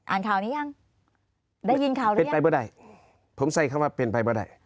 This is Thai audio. อ่านข่าวนี้ยังได้ยินข่าวหรือยังเป็นไปก็ได้ผมใส่เขาว่าเป็นไปก็ได้